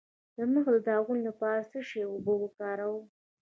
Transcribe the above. د مخ د داغونو لپاره د څه شي اوبه وکاروم؟